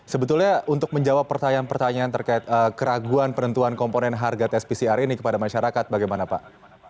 sebetulnya untuk menjawab pertanyaan pertanyaan terkait keraguan penentuan komponen harga tes pcr ini kepada masyarakat bagaimana pak